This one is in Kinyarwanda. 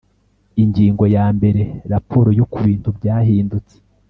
Ingingo ya mbere Raporo yo ku bintu byahindutse